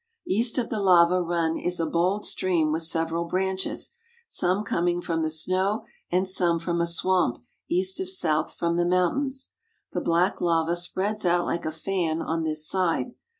East of the lava run is a hold stream with several branches, some connn<!; from the snow and some from a swamp east of south from the mountains. Tiie hlack Lava spreads out like a Ian on this side.